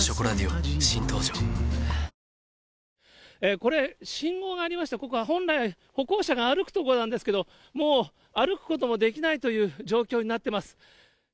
これ、信号がありまして、ここは本来、歩行者が歩く所なんですけれども、もう、歩くこともできないという状況になってます。